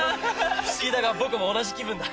不思議だが僕も同じ気分だ。